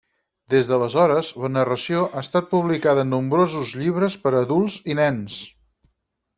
Des d'aleshores, la narració ha estat publicada en nombrosos llibres per a adults i nens.